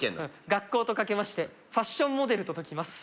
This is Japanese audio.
学校と掛けましてファッションモデルと解きます